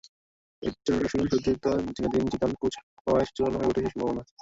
একসময়ের সতীর্থ Zinedine Zidane coach হওয়ায় জোরালো হয়ে ওঠে সেই সম্ভাবনা।